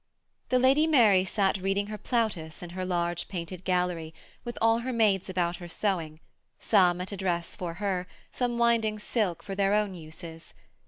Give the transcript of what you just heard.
The Lady Mary sat reading her Plautus in her large painted gallery, with all her maids about her sewing, some at a dress for her, some winding silk for their own uses.